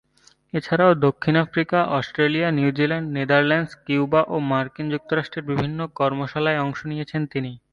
এছাড়াও দক্ষিণ Africa, Australia, New Zealand, Netherlands, Cuba ও মার্কিন যুক্তরাষ্ট্রের বিভিন্ন কর্মশালায় অংশ নিয়েছেন তিনি।